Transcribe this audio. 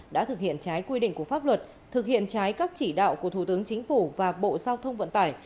đã thực hiện trái quy định của pháp luật thực hiện trái các chỉ đạo của thủ tướng chính phủ và bộ giao thông vận tải